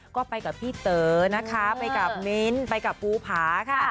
ก็ไปกับพี่เต๋อนะคะไปกับมิ้นไปกับภูผาค่ะ